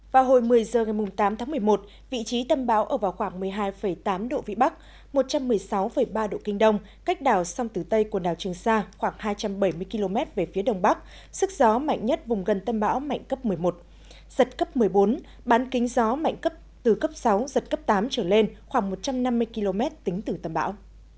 vào hồi một mươi giờ ngày tám tháng một mươi một vị trí tâm bão ở vào khoảng một mươi hai tám độ vị bắc một trăm một mươi sáu ba độ kinh đông cách đảo song tử tây của đảo trường sa khoảng hai trăm bảy mươi km về phía đông bắc sức gió mạnh nhất vùng gần tâm bão mạnh cấp một mươi một giật cấp một mươi bốn bán kính gió mạnh cấp từ cấp sáu giật cấp tám trở lên khoảng một trăm năm mươi km tính từ tâm bão